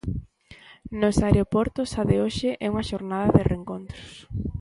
Nos aeroportos a de hoxe é unha xornada de reencontros.